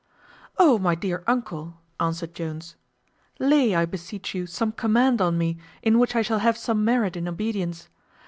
"O, my dear uncle!" answered Jones, "lay, I beseech you, some command on me, in which I shall have some merit in obedience.